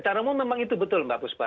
secara umum memang itu betul mbak puspa